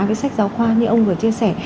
với sách giáo khoa như ông vừa chia sẻ